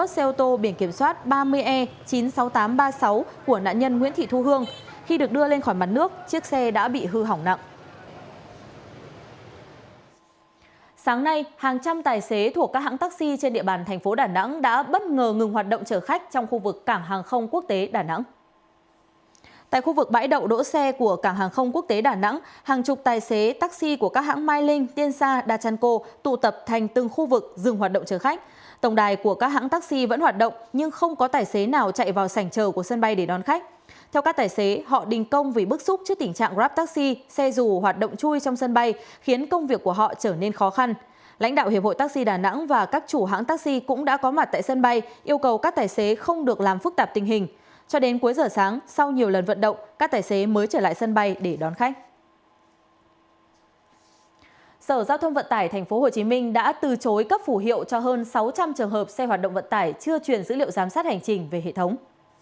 sở giao thông vận tải tp hcm đã từ chối cấp phủ hiệu cho hơn sáu trăm linh trường hợp xe hoạt động vận tải chưa chuyển dữ liệu giám sát hành trình về hệ thống